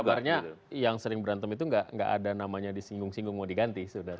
dan kabarnya yang sering berantem itu enggak ada namanya di singgung singgung mau diganti saudara